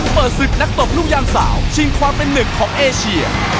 เปิดศึกนักตบลูกยางสาวชิงความเป็นหนึ่งของเอเชีย